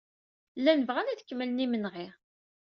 Llan bɣan ad kemmlen imenɣi.